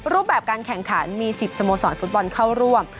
รูปแบบการแข่งขันมี๑๐สโมสรฟุตบอลเข้าร่วม